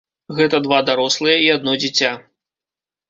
Гэта два дарослыя і адно дзіця.